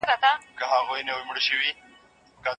د هرې شېبې په تېرېدو سره آس یو ګام پورته کېده.